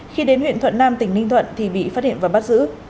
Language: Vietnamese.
khi đến huyện thuận nam tỉnh ninh thuận thì bị phát hiện và bắt giữ